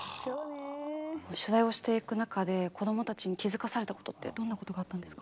取材をしていく中で子どもたちに気付かされたことってどんなことがあったんですか？